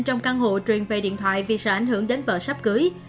trong căn hộ truyền về điện thoại vì sợ ảnh hưởng đến vợ sắp cưới